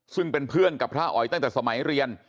ซึ่งเป็นเพื่อนกับพระอ๋อยตั้งแต่สมัยเรียน